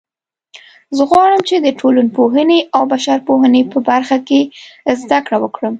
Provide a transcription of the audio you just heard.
زه غواړم چې د ټولنپوهنې او بشرپوهنې په برخه کې زده کړه وکړم